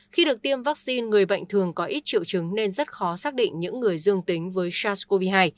khi được tiêm vaccine người bệnh thường có ít triệu chứng nên rất khó xác định những người dương tính với sars cov hai